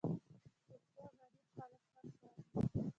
پسه غریب خلک هم ساتي.